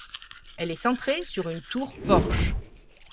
Elle est centrée sur une tour-porche.